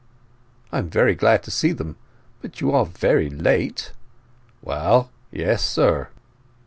"I am very glad to see them. But you are very late." "Well, yes, sir."